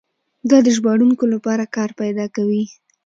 دا د ژباړونکو لپاره کار پیدا کوي.